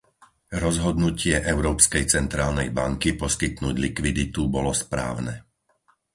Rozhodnutie Európskej centrálnej banky poskytnúť likviditu bolo správne.